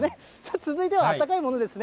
続いてはあったかいものですね。